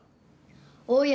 大家